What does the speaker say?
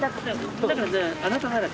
「あなたなら」